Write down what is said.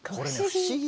不思議。